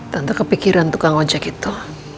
tanpa kepikiran tukang ojek itu